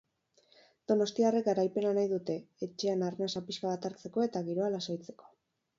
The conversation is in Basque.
Donostiarrek garaipena nahi dute, etxean arnasa pixka bat hartzeko eta giroa lasaitzeko.